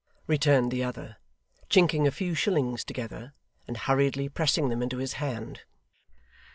returned the other, chinking a few shillings together, and hurriedly pressing them into his hand.